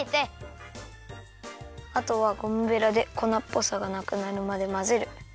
あとはゴムベラでこなっぽさがなくなるまでまぜる！